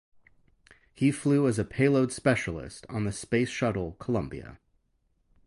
He flew as a Payload Specialist on the Space Shuttle "Columbia".